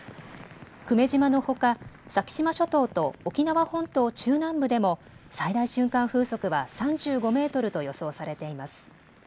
久米島のほか先島諸島と沖縄本島中南部でも最大瞬間風速は３５メートルと予想されています。